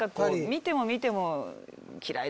見ても見ても。